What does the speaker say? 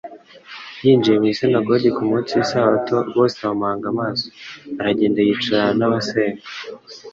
yinjiye mu isinagogi ku munsi w'isabato bose bamuhanga amaso, aragenda yicarana n'abasenga.